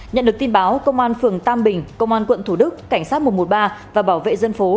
nhận được tin báo công an phường tam bình công an quận thủ đức cảnh sát một trăm một mươi ba và bảo vệ dân phố